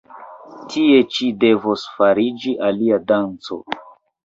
Tie ĉi devos fariĝi alia danco!